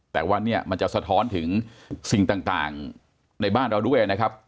แต่ว่าเนี่ยมันจะสะท้อนถึงสิ่งต่างในบ้านเราด้วยนะครับ